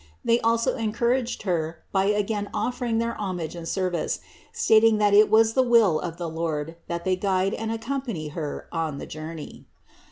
They also encouraged Her by again offering their homage and service, stating that it was the will of the Lord that they guide and accompany Her on the journey.